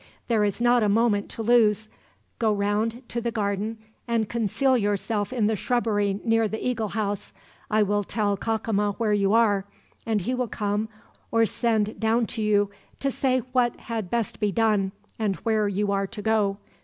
"There is not a moment to lose. Go round to the garden, and conceal yourself in the shrubbery near the eagle house. I will tell Cacama where you are, and he will come or send down to you, to say what had best be done, and where you are to go.